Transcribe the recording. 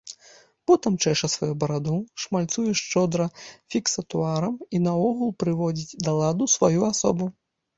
Потым чэша сваю бараду, шмальцуе шчодра фіксатуарам і наогул прыводзіць да ладу сваю асобу.